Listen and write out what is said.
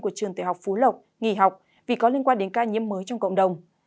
của trường tiểu học phú lộc nghỉ học vì có liên quan đến ca nhiễm mới trong cộng đồng